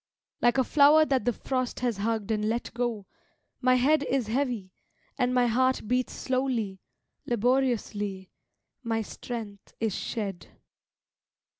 Like a flower that the frost has hugged and let go, my head Is heavy, and my heart beats slowly, laboriously, My strength is shed.